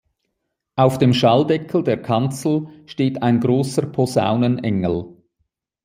Auf dem Schalldeckel der Kanzel steht ein großer Posaunenengel.